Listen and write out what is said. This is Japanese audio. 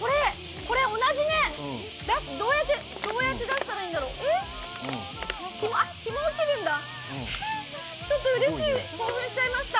これ、同じねどうやって出したらいいんだろうひもを切るんだ、うれしい興奮しちゃいました。